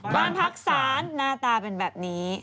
บ้านพักศาลหน้าตาเป็นแบบนี้